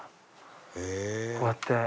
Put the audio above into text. こうやって。